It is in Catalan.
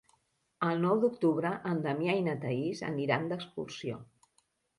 El nou d'octubre en Damià i na Thaís aniran d'excursió.